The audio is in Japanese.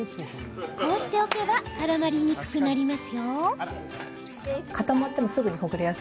こうしておけばからまりにくくなりますよ。